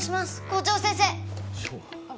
校長先生！